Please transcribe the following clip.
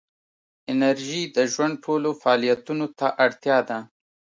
انرژي د ژوند ټولو فعالیتونو ته اړتیا ده.